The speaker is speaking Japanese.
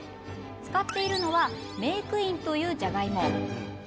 使っているのはメークインというじゃがいも。